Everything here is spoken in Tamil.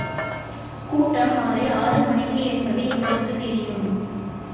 கூட்டம் மாலை ஆறு மணிக்கு என்பது எங்களுக்குத் தெரியும்.